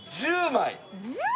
１０枚！？